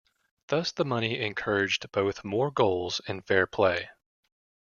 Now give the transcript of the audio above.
Thus the money encouraged both more goals and fair play.